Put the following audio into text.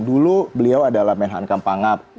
dulu beliau adalah menhan kampangap